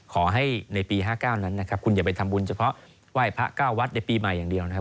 ขอให้ในปี๕๙นั้นนะครับคุณอย่าไปทำบุญเฉพาะไหว้พระ๙วัดในปีใหม่อย่างเดียวนะครับ